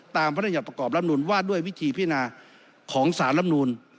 พระราชประกอบรับนูนว่าด้วยวิธีพินาของสารลำนูล